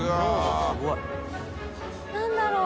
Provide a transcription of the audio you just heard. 何だろう？